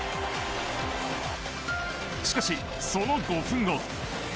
しかし、その５分後。